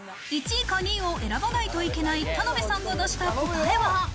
１位か２位を選ばないといけない田辺さんが出した答えは？